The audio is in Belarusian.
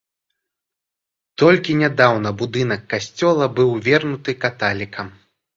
Толькі нядаўна будынак касцёла быў вернуты каталікам.